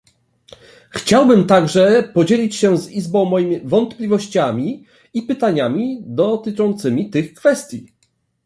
Chciałbym także podzielić się z Izbą moimi wątpliwościami i pytaniami dotyczącymi tych kwestii